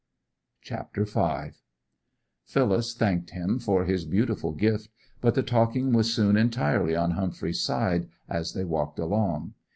CHAPTER V Phyllis thanked him for his beautiful gift; but the talking was soon entirely on Humphrey's side as they walked along.